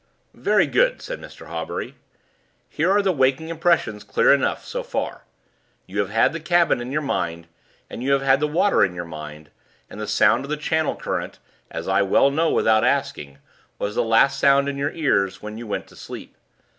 "Very good," said Mr. Hawbury. "Here are the waking impressions clear enough, so far. You have had the cabin in your mind; and you have had the water in your mind; and the sound of the channel current (as I well know without asking) was the last sound in your ears when you went to sleep.